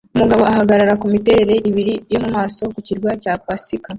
Umugabo ahagarara kumiterere ibiri yo mumaso ku kirwa cya pasika